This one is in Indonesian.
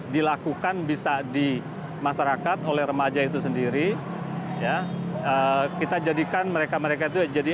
dilakukan bisa di masyarakat oleh remaja itu sendiri ya kita jadikan mereka mereka itu jadi